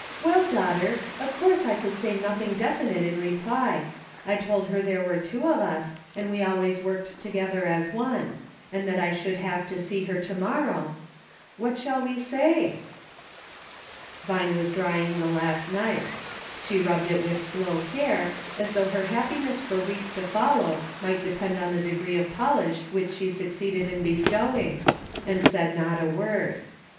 Well, daughter, of course I could say nothing definite in reply ; I told her there were two of us, and we always worked together as one ; and that I should have to see her to morrow ; what shall we say .'" Vine was drving the last knife ; she rubbed it with slow care, as though her happiness for weeks to follow, might depend on the degree of polish which she succeeded in bestowing, and said not a word.